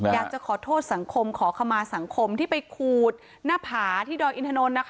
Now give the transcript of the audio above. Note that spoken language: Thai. อยากจะขอโทษสังคมขอขมาสังคมที่ไปขูดหน้าผาที่ดอยอินทนนท์